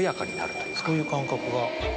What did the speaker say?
そういう感覚が。